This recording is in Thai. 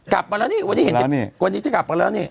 กลับมาแล้วนี่วันนี้จะกลับมาแล้วนี่